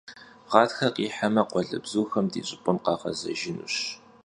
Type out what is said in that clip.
Ğatxer khiheme, khualebzuxem di ş'ıp'em khağezejjınuş.